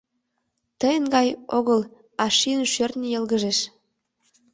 Тыйын гай огыл, а шийын-шӧртньын йылгыжеш...